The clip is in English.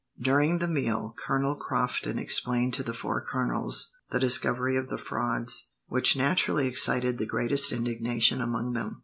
During the meal, Colonel Crofton explained to the four colonels the discovery of the frauds, which naturally excited the greatest indignation among them.